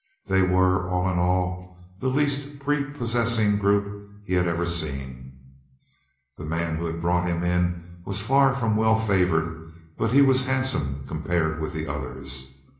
They were, all in all, the least prepossessing group he had ever seen. The man who had brought him in was far from well favored, but he was handsome compared with the others.